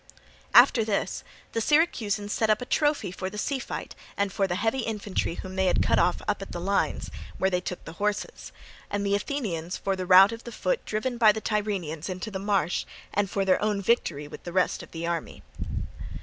After this the Syracusans set up a trophy for the sea fight and for the heavy infantry whom they had cut off up at the lines, where they took the horses; and the Athenians for the rout of the foot driven by the Tyrrhenians into the marsh, and for their own victory with the rest of the army.